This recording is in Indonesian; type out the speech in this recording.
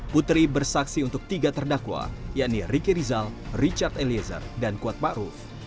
putri bersaksi untuk tiga terdakwa yakni ricky rizal richard eliezer dan kuat pak ruf